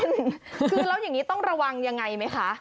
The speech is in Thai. คือแล้วอย่างนี้ต้องระวังยังไงไหมคะ